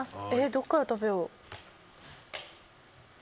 どっから食べよう？